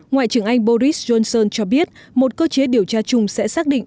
ngoại trưởng anh boris johnson cho biết một cơ chế điều tra chung sẽ xác định